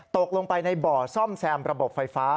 ตกลงไปในบ่อซ่อมแซมระบบไฟฟ้า